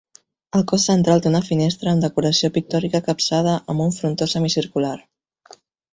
El cos central té una finestra amb decoració pictòrica capçada amb un frontó semicircular.